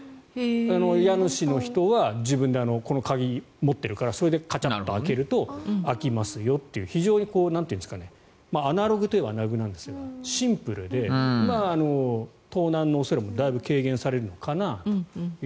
家主の人は自分でこの鍵を持っているからそれでカチャッと開けると開きますよという非常にアナログといえばアナログなんですがシンプルで盗難の恐れもだいぶ軽減されるのかなと。